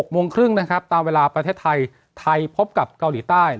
โมงครึ่งนะครับตามเวลาประเทศไทยไทยพบกับเกาหลีใต้